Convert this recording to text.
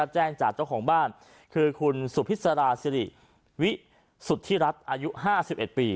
แจ้งจากเจ้าของบ้านคือคุณสุพิษราสิริวิสุทธิรัฐอายุ๕๑ปี